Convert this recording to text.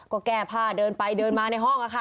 ก็แก้ผ้าเดินไปเดินมาในห้อง